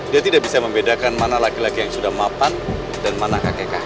dia tidak bisa membedakan mana laki laki yang sudah mapan dan mana kakek kakek